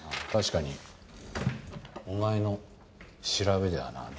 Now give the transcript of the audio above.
確かにお前の調べではな。